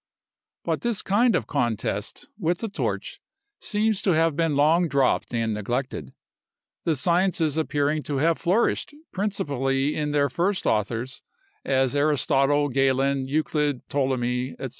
But this kind of contest, with the torch, seems to have been long dropped and neglected; the sciences appearing to have flourished principally in their first authors, as Aristotle, Galen, Euclid, Ptolemy, &c.